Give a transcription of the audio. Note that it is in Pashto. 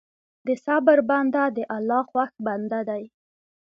د صبر بنده د الله خوښ بنده دی.